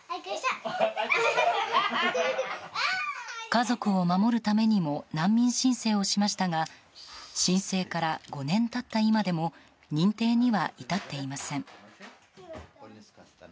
家族を守るためにも難民申請をしましたが申請から５年経った今でも認定には至っていません。